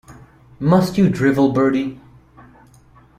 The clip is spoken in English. Must you drivel, Bertie?